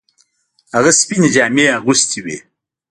هغه سپینې جامې اغوستې وې.